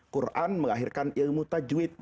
quran melahirkan ilmu tajwid